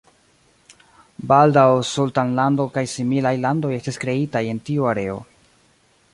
Baldaŭ sultanlando kaj similaj landoj estis kreitaj en tiu areo.